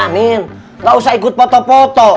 amin gak usah ikut foto foto